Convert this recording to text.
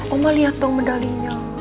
oma lihat dong medalinya